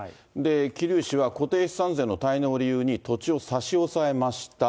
桐生市は固定資産税の滞納を理由に土地を差し押さえました。